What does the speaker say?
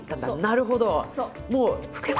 なるほど。